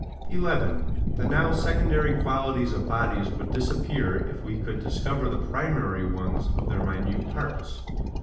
11. The now secondary Qualities of Bodies would disappear, if we could discover the primary ones of their minute Parts.